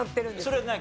それは何？